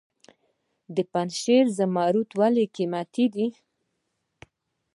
د پنجشیر زمرد ولې قیمتي دي؟